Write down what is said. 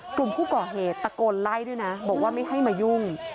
กลุ่มผู้ก่อเหตุตะโกนไล่ด้วยนะบอกว่าไม่ให้มายุ่ง